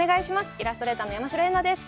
イラストレーターの山代エンナです。